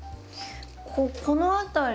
この辺り？